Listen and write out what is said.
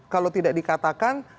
kalau tidak dikatakan